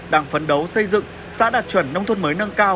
đang phấn đấu xây dựng xã đạt chuẩn nông thôn mới nâng cao